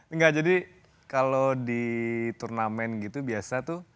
enggak jadi kalau di turnamen gitu biasa tuh